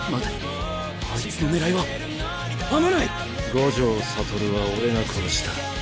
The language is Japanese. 五条悟は俺が殺した。